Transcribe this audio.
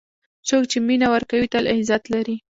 څوک چې مینه ورکوي، تل عزت لري.